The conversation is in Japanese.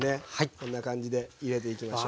こんな感じで入れていきましょう。